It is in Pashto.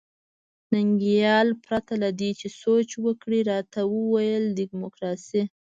ننګیال پرته له دې چې سوچ وکړي راته وویل ډیموکراسي.